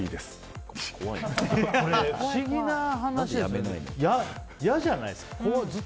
不思議な話だけど嫌じゃないですか。